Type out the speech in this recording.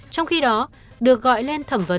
trong khi đó được gọi lên thẩm vấn